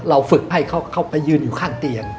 ฝึกให้เขาไปยืนอยู่ข้างเตียง